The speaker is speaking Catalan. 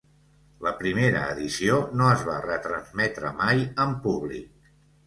La primera edició no es va retransmetre mai en públic.